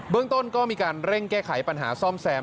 เรื่องต้นก็มีการเร่งแก้ไขปัญหาซ่อมแซม